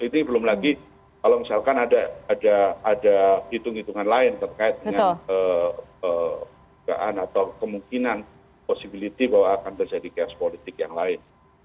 itu belum lagi kalau misalkan ada hitung hitungan lain terkait dengan atau kemungkinan possibility bahwa akan terjadi cash politik yang lain